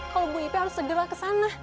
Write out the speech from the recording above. kalo bu ipe harus segera kesana